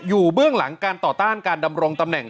เบื้องหลังการต่อต้านการดำรงตำแหน่ง